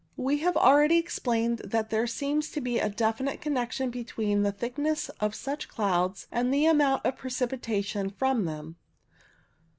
We have already explained that there seems to be a definite connection between the thickness of such clouds and the amount of precipitation from them.